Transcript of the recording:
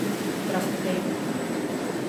Trabuqueime.